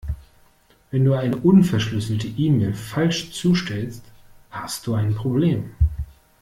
Wenn du eine unverschlüsselte E-Mail falsch zustellst, hast du ein Problem.